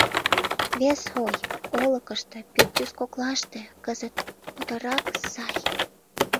Вес ой: олыкышто, пӱртӱс коклаште, кызыт путырак сай...